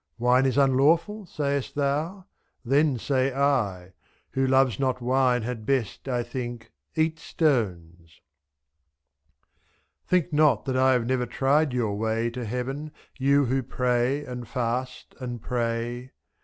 Wine is unlawful, sayst thou? then say I — Who loves not wine had best, I think, eat stones. Think not that I have never tried your way To heaven, you who pray and fast and pray : 29.